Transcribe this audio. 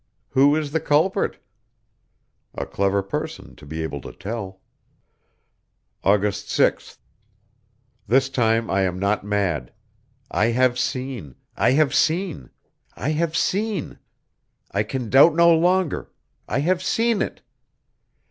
Who is the culprit? A clever person, to be able to tell. August 6th. This time I am not mad. I have seen ... I have seen ... I have seen!... I can doubt no longer ... I have seen it!...